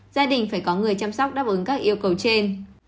gia đình phải có người chăm sóc đáp ứng các yêu cầu trên